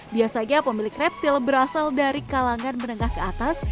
biasanya pemilik reptil berasal dari kalangan menengah ke atas